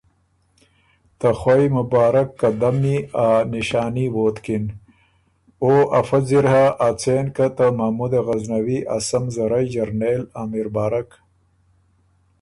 ته خوئ مبارک قدمی ا نشاني ووتکِن۔ او افۀ ځِر هۀ ا څېن که ته محمودِ غزنوي ا سۀ مزرئ جرنېل امیربارک